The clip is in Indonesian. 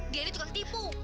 dia nih tukang tipu